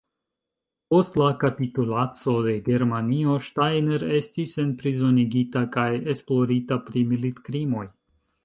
Post la kapitulaco de Germanio, Steiner estis enprizonigita kaj esplorita pri militkrimoj.